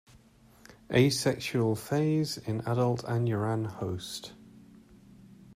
Asexual phase in adult anuran host.